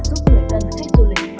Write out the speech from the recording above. giúp người dân và khách du lịch